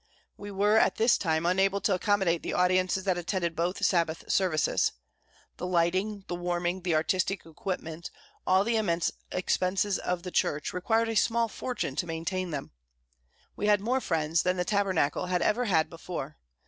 We were, at this time, unable to accommodate the audiences that attended both Sabbath services. The lighting, the warming, the artistic equipment, all the immense expenses of the church, required a small fortune to maintain them. We had more friends than the Tabernacle had ever had before.